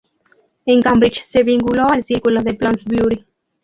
En Cambridge se vinculó al Círculo de Bloomsbury.